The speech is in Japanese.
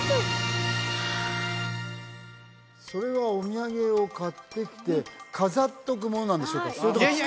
それはお土産を買ってきて飾っとくものなんでしょうか？